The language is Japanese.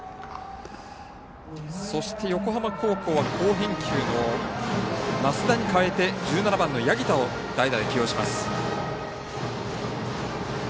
そして横浜高校は好返球の増田に代えて１７番の八木田を代打で起用します。